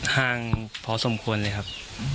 ห่างพอสมควรเลยครับ